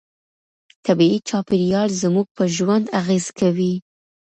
طبيعي چاپيريال زموږ په ژوند اغېز کوي.